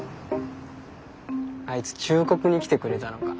あいつ忠告に来てくれたのか。